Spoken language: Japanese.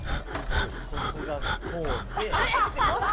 ここがこうで。